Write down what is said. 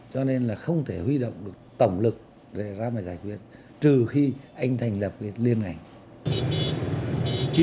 cho nên là không thể huy động được tổng lực để ra mà giải quyết trừ khi anh thành lập liên ngành